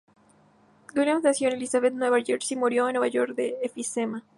Williams nació en Elizabeth, Nueva Jersey, y murió en Nueva York de enfisema.